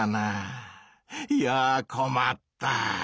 いやこまった！